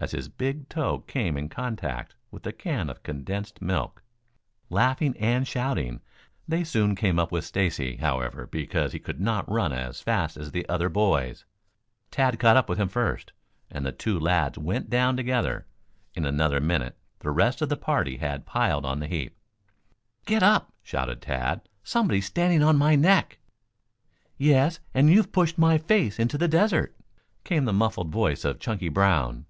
as his big toe came in contact with the can of condensed milk. Laughing and shouting, they soon came up with Stacy, however, because he could not run as fast as the other boys. Tad caught up with him first, and the two lads went down together. In another minute the rest of the party had piled on the heap. "Get up!" shouted Tad. "Somebody's standing on my neck." "Yes, and and you've pushed my face into the desert," came the muffled voice of Chunky Brown.